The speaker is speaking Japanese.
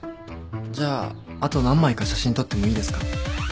じゃああと何枚か写真撮ってもいいですか？